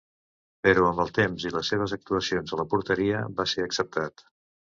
Però amb el temps, i les seves actuacions a la porteria va ser acceptat.